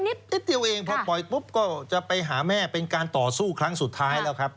นิดเดียวเองพอปล่อยปุ๊บก็จะไปหาแม่เป็นการต่อสู้ครั้งสุดท้ายแล้วครับ